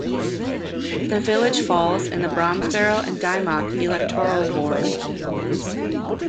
The village falls in the 'Bromesberrow and Dymock' electoral ward.